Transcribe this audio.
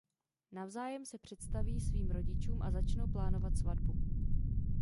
Navzájem se představí svým rodičům a začnou plánovat svatbu.